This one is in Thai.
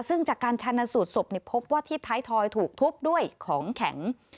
ซึ่งจากการชาญสูตรศพพบว่าที่ท้ายทอยถูกทุบด้วยของแข็ง